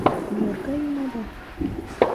Мӧр гай ӱмада?